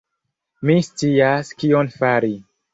Mi scias, kion fari.